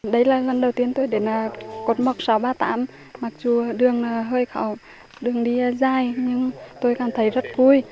đây là lần đầu tiên tôi đến cột mốc sáu trăm ba mươi tám mặc dù đường hơi khó đường đi dài nhưng tôi cảm thấy rất vui